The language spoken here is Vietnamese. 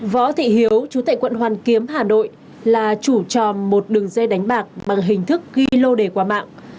võ thị hiếu chú tại quận hoàn kiếm hà nội là chủ tròm một đường dây đánh bạc bằng hình thức ghi lô đề qua mạng